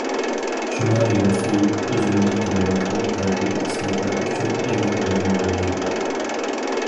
شۇڭا يوقسۇللۇق، ئۈزۈلمەي كېلىۋاتقان تەتۈر قىسمەتلەر ئۈچۈن ئېغىر بەدەل تۆلەيدۇ.